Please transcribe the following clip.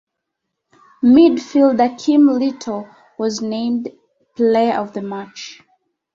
Midfielder Kim Little was named Player of the Match.